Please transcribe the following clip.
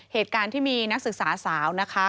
เหตุการณ์ที่มีนักศึกษาสาวนะคะ